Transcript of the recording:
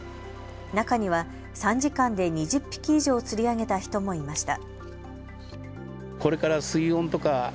中には３時間で２０匹以上釣り上げた人もいました。